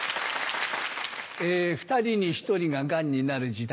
２人に１人がガンになる時代。